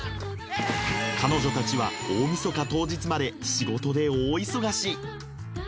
彼女たちは大晦日当日まで仕事で大忙し。